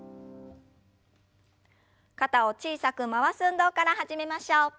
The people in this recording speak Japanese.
肩を小さく回す運動から始めましょう。